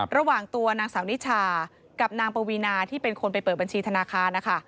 ระหว่างตัวนางสาวนิชากับนางปวีนาที่เป็นคนไปเปิดบัญชีธนาคารนะคะ